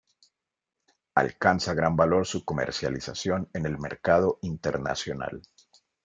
Alcanza gran valor su comercialización en el mercado internacional.